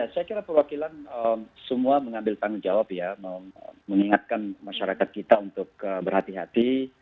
saya kira perwakilan semua mengambil tanggung jawab ya mengingatkan masyarakat kita untuk berhati hati